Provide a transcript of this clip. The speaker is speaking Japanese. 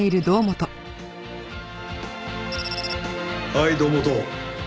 はい堂本。